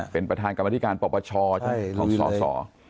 เป็นประธานกรรมธิการปปชของสอสอ